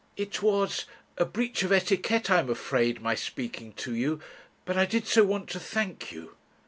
"It was a breach of etiquette, I am afraid, my speaking to you, but I did so want to thank you...."